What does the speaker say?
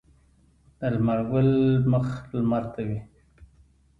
د لمر ګل مخ لمر ته وي